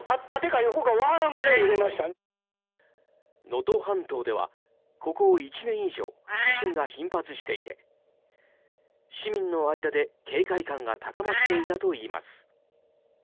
能登半島では、ここ１年以上地震が頻発していて市民の間で警戒感が高まっていたといいます。